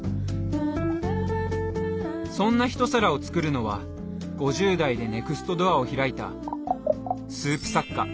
そんな一皿を作るのは５０代でネクストドアを開いたスープ作家